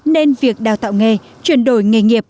nên việc đào tạo nghề chuyển đổi nghề nghiệp